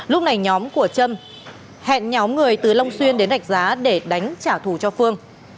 lúc này nhóm của trâm hẹn nhóm người từ long xuyên đến rạch giá để đánh trả thù cho phương